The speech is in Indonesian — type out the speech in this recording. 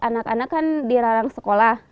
anak anak kan dilarang sekolah